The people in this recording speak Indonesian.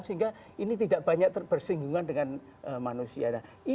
sehingga ini tidak banyak bersinggungan dengan manusia